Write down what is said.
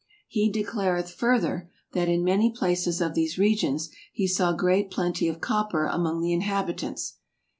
Hee declareth further, that in many places of these Regions he saw great plentie of Copper among the inhabitants.